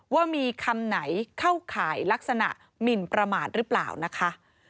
ว่ามีคำไหนเข้าข่ายลักษณะหมินประมาทหรือเปล่านะคะ